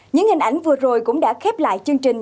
những hình ảnh vừa rồi cũng đã khép lại chương trình